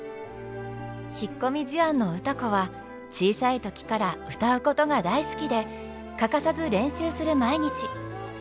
引っ込み思案の歌子は小さい時から歌うことが大好きで欠かさず練習する毎日。